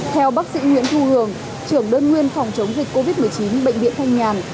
theo bác sĩ nguyễn thu hường trưởng đơn nguyên phòng chống dịch covid một mươi chín bệnh viện thanh nhàn